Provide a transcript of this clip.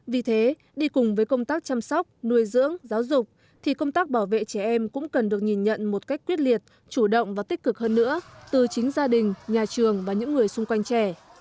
vì thế đi cùng với công tác chăm sóc nuôi dưỡng giáo dục thì công tác bảo vệ trẻ em cũng cần được nhìn nhận một cách quyết liệt chủ động và tích cực hơn nữa từ chính gia đình nhà trường và những người xung quanh trẻ